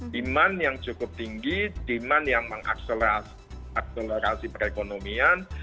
demand yang cukup tinggi demand yang mengakselerasi perekonomian